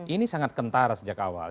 ini sangat kentara sejak awal